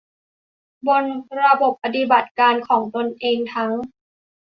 บนระบบปฏิบัติการของตนเองทั้ง